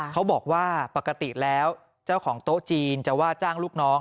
เขาบอกว่าปกติแล้วเจ้าของโต๊ะจีนจะว่าจ้างลูกน้อง